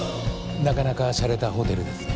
なかなかしゃれたホテルですね。